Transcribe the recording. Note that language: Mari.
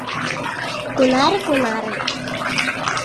Кунаре, кунаре